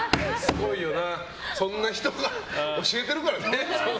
そんな人が教えてるからね。